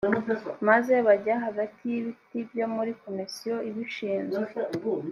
maze bajya hagati y ibiti byo muri komisiyo ibishinzwe